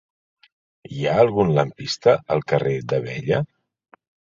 Hi ha algun lampista al carrer d'Abella?